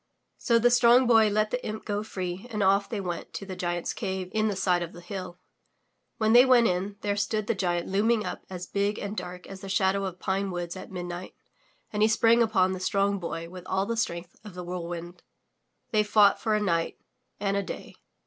So the Strong Boy let the imp go free and off they went to the giant's cave in the side of the hill. When they went in, there stood the giant looming up as big and dark as the shadow of pine woods at midnight, and he sprang upon the Strong Boy with all the strength of the whirlwind. They fought for a night and a day.